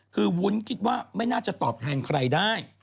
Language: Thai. คือวุ้นคิดว่าไม่น่าจะตอบแทนใครได้